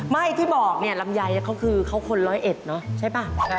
ไม่ที่บอกลำไยเขาคือคนร้อยเอ็ดใช่ไหม